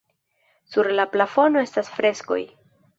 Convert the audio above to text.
Sur la plafono estas freskoj.